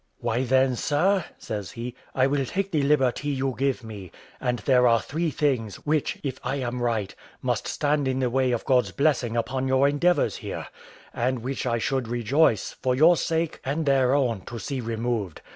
"Why, then, sir," says he, "I will take the liberty you give me; and there are three things, which, if I am right, must stand in the way of God's blessing upon your endeavours here, and which I should rejoice, for your sake and their own, to see removed.